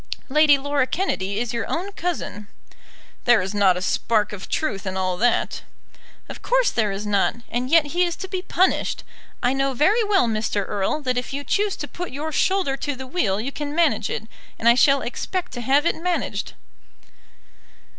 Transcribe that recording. Lady Laura Kennedy is your own cousin." "There is not a spark of truth in all that." "Of course there is not; and yet he is to be punished. I know very well, Mr. Erle, that if you choose to put your shoulder to the wheel you can manage it; and I shall expect to have it managed."